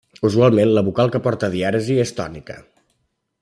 Usualment la vocal que porta dièresi és tònica.